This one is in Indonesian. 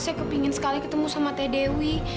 saya kepingin sekali ketemu sama teh dewi